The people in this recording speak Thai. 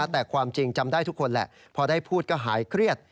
แต่ความจริงจำได้ทุกคนแหละพอได้พูดก็หายเครียด